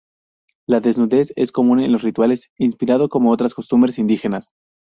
La desnudez es común en los rituales, inspirado como otras en costumbres indígenas.